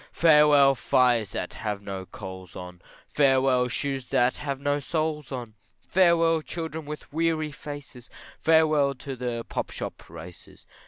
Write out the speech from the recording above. Farewell fires that have no coals on, Farewell shoes that have no soles on, Farewell children with wry faces, Farewell to the pop shop races.